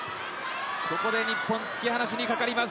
ここで日本、突き放しにかかります。